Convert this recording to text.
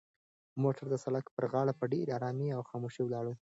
موټر د سړک په غاړه په ډېرې ارامۍ او خاموشۍ ولاړ و.